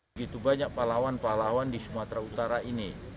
begitu banyak pahlawan pahlawan di sumatera utara ini